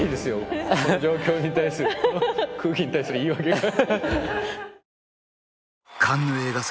この状況に対する空気に対する言い訳が。